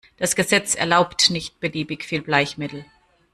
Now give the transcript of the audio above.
Das Gesetz erlaubt nicht beliebig viel Bleichmittel.